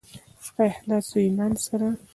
په اخلاص او ایمان سره.